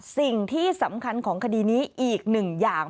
สิ่งที่สำคัญของคดีนี้อีกหนึ่งอย่าง